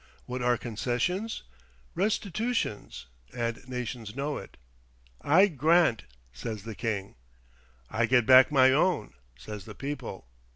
What are concessions? Restitutions; and nations know it. "I grant," says the king. "I get back my own," says the people.